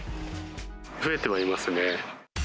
増えてはいますね。